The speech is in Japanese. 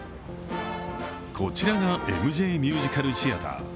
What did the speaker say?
こちらがＭＪミュージカルシアター。